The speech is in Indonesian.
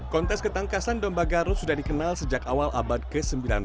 kontes ketangkasan domba garut sudah dikenal sejak awal abad ke sembilan belas